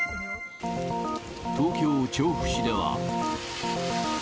東京・調布市では。